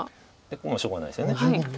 もうしょうがないですよね。